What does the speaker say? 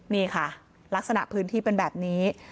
นี่ค่ะลักษณะพื้นที่เป็นแบบนี้